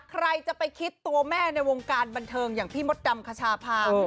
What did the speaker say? ใครจะไปคิดตัวแม่ในวงการบันเทิงอย่างพี่มดดำคชาพา